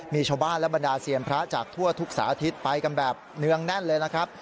มีชาวบ้านและบรรดาเซียนพระจากทั่วทุกสาธิตไปกันแบบเนืองแน่นเลยนะครับ